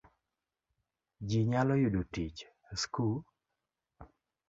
Ji nyalo yudo tich, sku